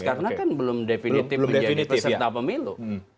karena kan belum definitif menjadi peserta pemilu